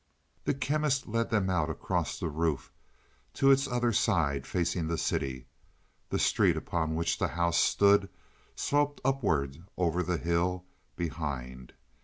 The Chemist led them out across the roof to its other side facing the city. The street upon which the house stood sloped upwards over the hill behind.